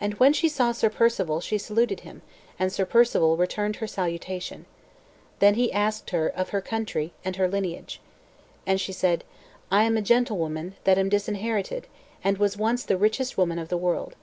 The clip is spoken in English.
And when she saw Sir Perceval, she saluted him, and Sir Perceval returned her salutation. Then he asked her of her country and her lineage. And she said, "I am a gentlewoman that am disinherited, and was once the richest woman of the world."